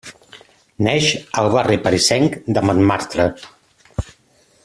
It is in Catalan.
Neix al barri parisenc de Montmartre.